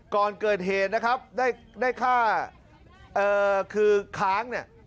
ก่อนเกิดเหตุนะครับได้ฆ่าคือค้างเนี่ย